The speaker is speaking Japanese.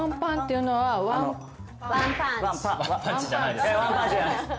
まずワンパンチじゃないです